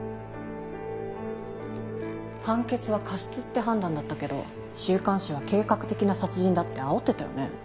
判決は過失って判断だったけど週刊誌は計画的な殺人だってあおってたよね。